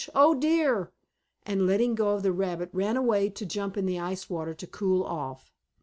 Oh, dear!" and, letting go of the rabbit, ran away to jump in the ice water to cool off.